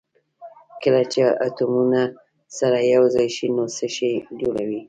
کله چې اتومونه سره یو ځای شي نو څه شی جوړوي